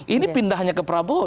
ini pindahnya ke prabowo